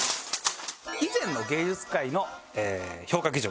以前の芸術界の評価基準。